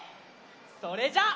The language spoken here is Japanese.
それじゃあ。